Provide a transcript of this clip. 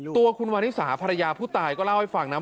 ตัวคุณวานิสาภรรยาผู้ตายก็เล่าให้ฟังนะ